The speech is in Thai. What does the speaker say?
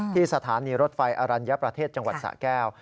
สถานีรถไฟอรัญญประเทศจังหวัดสะแก้ว